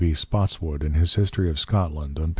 B. Spotswood in his History of Scotland, p.